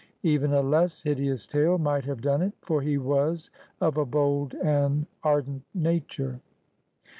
Even a less hideous tale might have done it, for he was of a bold and ardent nature.